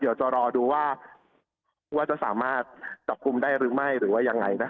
เดี๋ยวจะรอดูว่าจะสามารถจับคุมได้หรือไม่